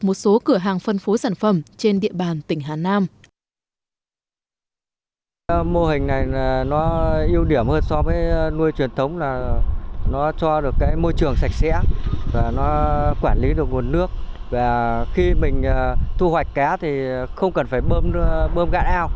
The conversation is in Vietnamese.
một số cửa hàng phân phối sản phẩm trên địa bàn tỉnh hà nam